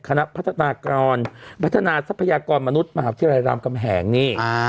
คณะพัฒนากรพัฒนาทรัพยากรมนุษย์มหาวิทยาลัยรามกำแหงนี่